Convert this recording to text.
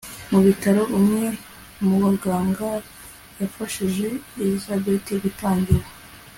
mu bitaro, umwe mu baganga yafashije elizabeth gutangira